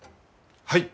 はい！